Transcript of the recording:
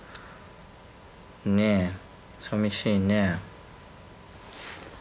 ねえさみしいね。